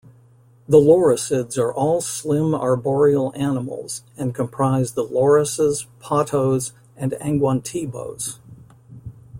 The lorisids are all slim arboreal animals and comprise the lorises, pottos and angwantibos.